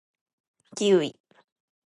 キウイ